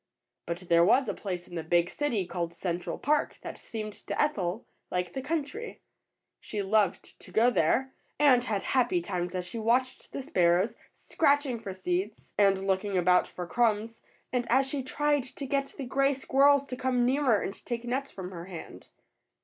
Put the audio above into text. But there was a place in the big city called Central Park that seemed to Ethel like the country. She loved to go there, and had happy times as she watched the sparrows scratching ETHEL'S FRIENDS. 121 for seeds and looking about for crumbs, and as she tried to get the gray squirrels to come nearer and take nuts from her hand.